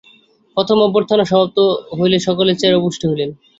প্রথম অভ্যর্থনা সমাপ্ত হইলে সকলে চেয়ারে উপবিষ্ট হইলেন।